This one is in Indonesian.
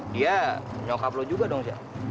dia nyokap lo juga dong chef